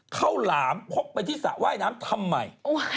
หลามพกไปที่สระว่ายน้ำทำไม